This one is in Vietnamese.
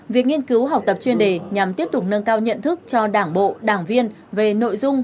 việc nghiên cứu học tập chuyên đề nhằm tiếp tục nâng cao nhận thức cho đảng bộ đảng viên về nội dung